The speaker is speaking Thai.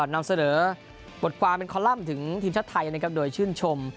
นำเสนอบทความเป็นคอลัมป์ถึงทีมชาติไทยนะครับโดยชื่นชม